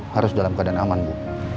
harus dalam keadaan aman bu